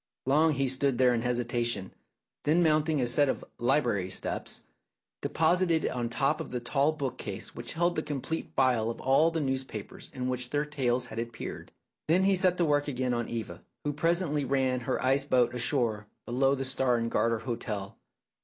Long he stood there in hesitation; then, mounting a set of "library steps," deposited it on the top of the tall bookcase which held the complete file of all the news papers in which their tales had appeared. Then he set to work again on Eva, who presently ran her ice boat ashore below the Star and Garter hotel.